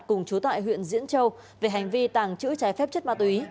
cùng chú tại huyện diễn châu về hành vi tàng trữ trái phép chất ma túy